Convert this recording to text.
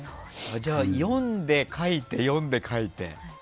じゃあ、読んで書いて読んで書いて。